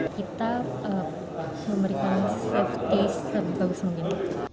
kita memberikan safety sebagus mungkin